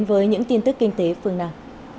với những tin tức kinh tế phương nam